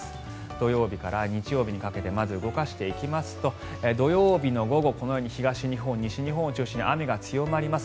土曜日から日曜日にかけてまず動かしていきますと土曜日の午後、このように東日本、西日本を中心に雨が強まります。